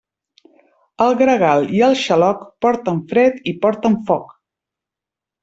El gregal i el xaloc porten fred i porten foc.